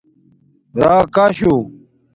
راکشݸ